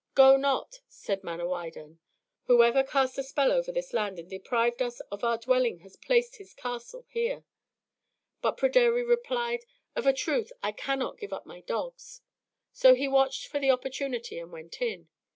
"Go not," said Manawydan; "whoever has cast a spell over this land and deprived us of our dwelling has placed this castle here." But Pryderi replied, "Of a truth I cannot give up my dogs." So he watched for the opportunity and went in.